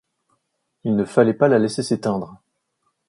Il ne fallait pas la laisser s’éteindre.